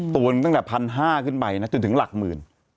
ตัวหนึ่งตั้งแต่๑๕๐๐ขึ้นไปนะจนถึงหลักหมื่น